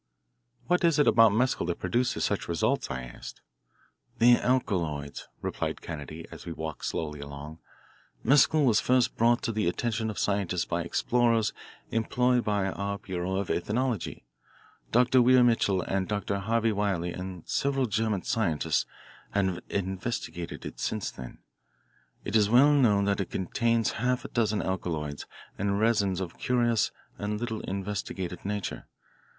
"What is it about mescal that produces such results?" I asked. "The alkaloids," replied Kennedy as we walked slowly along. "Mescal was first brought to the attention of scientists by explorers employed by our bureau of ethnology. Dr. Weir Mitchell and Dr. Harvey Wiley and several German scientists have investigated it since then. It is well known that it contains half a dozen alkaloids and resins of curious and little investigated nature.